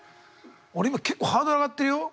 俺今結構ハードル上がってるよ。